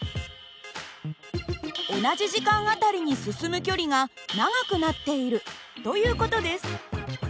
同じ時間あたりに進む距離が長くなっているという事です。